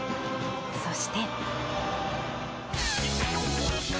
そして。